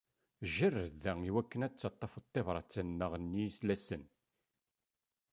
Jerred da iwakken ad d-tettaṭṭafeḍ tabrat-nneq n yisallen.